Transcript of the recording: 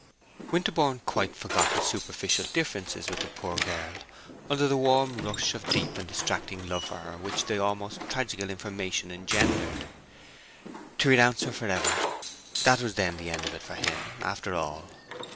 Winterborne quite forgot his superficial differences with the poor girl under the warm rush of deep and distracting love for her which the almost tragical information engendered. To renounce her forever—that was then the end of it for him, after all.